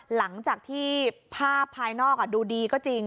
หลังจากที่ภาพภายนอกดูดีก็จริง